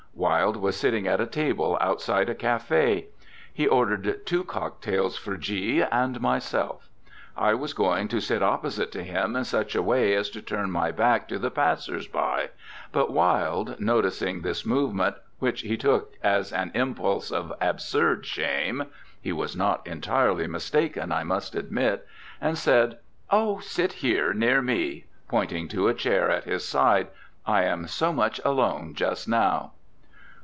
Wilde was sitting at a table outside a café. He ordered two cock tails for G and myself. I was going to sit opposite to him in such a way as to turn my back to the passers by, but Wilde, noticed this movement, which he took as an impulse of absurd shame, (he was not entirely mistaken, I must admit), and said, 'Oh, sit here, near me,' pointing to a chair at his side, 'I am so much alone just now.'